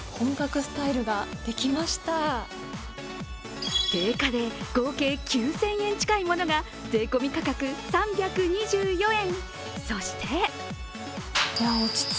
続いては定価で合計９０００円近いものが税込み価格３２４円。